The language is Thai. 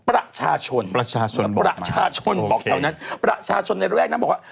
ประชาชนประชาชนประชาชนบอกแถวนั้นประชาชนในระแวกนั้นบอกว่า